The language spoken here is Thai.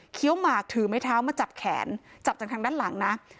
หมากถือไม้เท้ามาจับแขนจับจากทางด้านหลังนะ